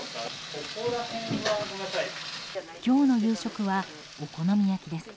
今日の夕食は、お好み焼きです。